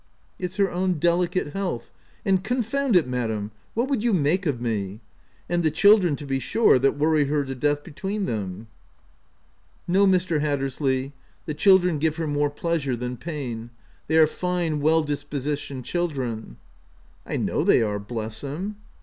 '' "It's her own delicate health, and — confound it, madam ! what would you make of me ?— and the children, to be sure, that worry her to death between them." 92 THE TENANT " No, Mr. Hattersley, the children give her more pleasure than pain : they are fine well dis positioned children —'*" I know they are — bless 'em